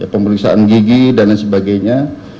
pemeriksaan gigi dan lain sebagainya